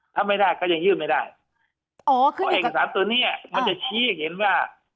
ถ้าไม่ได้ก็ยังยื่นไม่ได้อ๋อคือเอกสารตัวเนี้ยมันจะชี้ให้เห็นว่า